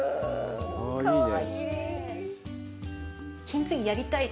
かわいい。